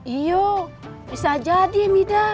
iya bisa jadi midah